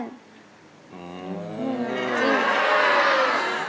จริง